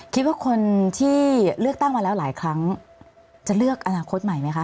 คิดว่าคนที่เลือกตั้งมาแล้วหลายครั้งจะเลือกอนาคตใหม่ไหมคะ